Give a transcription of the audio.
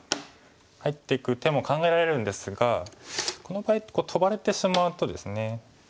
入っていく手も考えられるんですがこの場合トバれてしまうとですね。